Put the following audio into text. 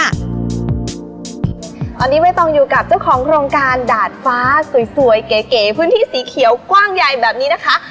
ตอนนี้ใบตองอยู่กับเจ้าของโครงการดาดฟ้าสวยเก๋พื้นที่สีเขียวกว้างใหญ่แบบนี้นะคะ